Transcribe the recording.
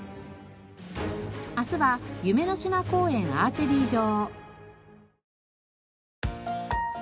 明日は夢の島公園アーチェリー場。